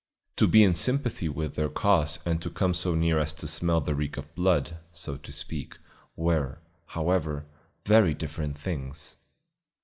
To be in sympathy with their cause and to come so near as to smell the reek of blood, so to speak, were, however, very different things.